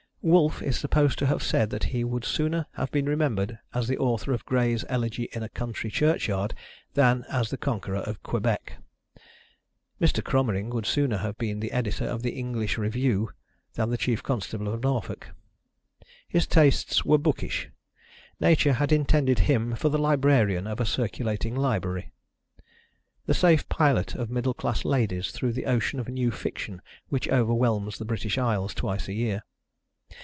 Wolfe is supposed to have said that he would sooner have been remembered as the author of Gray's "Elegy in a Country Churchyard" than as the conqueror of Quebec. Mr. Cromering would sooner have been the editor of the English Review than the chief constable of Norfolk. His tastes were bookish; Nature had intended him for the librarian of a circulating library: the safe pilot of middle class ladies through the ocean of new fiction which overwhelms the British Isles twice a year.